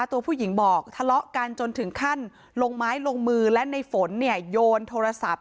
ตัวผู้หญิงบอกทะเลาะกันจนถึงขั้นลงไม้ลงมือและในฝนเนี่ยโยนโทรศัพท์